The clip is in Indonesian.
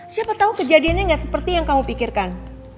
siapa tau kejadiannya gak seperti yang kamu pikirkan